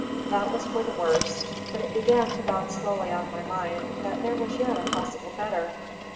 That was for the worst; but it began to dawn slowly on my mind that there was yet a possible better.